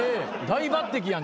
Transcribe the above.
大抜てきや。